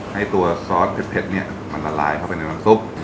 ให้ตัวซอสเผ็ดเนี่ยมันละลายเข้าไปในน้ำซุป